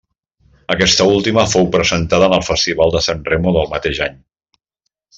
Aquesta última fou presentada en el Festival de Sanremo del mateix any.